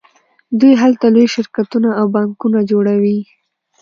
دوی هلته لوی شرکتونه او بانکونه جوړوي